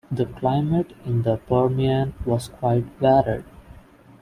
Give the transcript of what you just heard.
The climate in the Permian was quite varied.